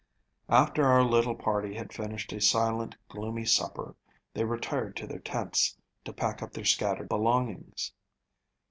After our little party had finished a silent, gloomy supper, they retired to their tents to pack up their scattered belongings.